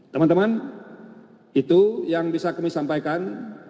teman teman itu yang bisa kami sampaikan